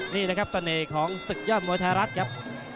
นี่นะครับเสน่ห์ของศึกยอดมวยไทยรัฐครับ